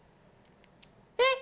えっ？